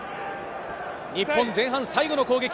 日本、前半最後の攻撃。